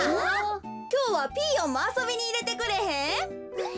きょうはピーヨンもあそびにいれてくれへん？